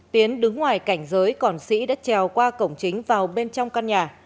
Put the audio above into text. tiến đứng ngoài cảnh giới còn sĩ đã trèo qua cổng chính vào bên trong căn nhà